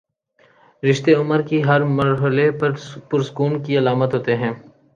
رشتے عمر کے ہر مر حلے پر سکون کی علامت ہوتے ہیں۔